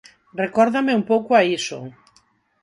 Recórdame un pouco a iso.